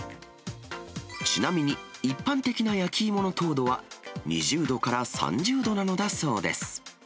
ちなみに、一般的な焼き芋の糖度は、２０度から３０度なのだそうです。